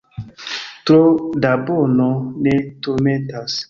Tro da bono ne turmentas.